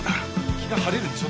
気が晴れるんでしょ？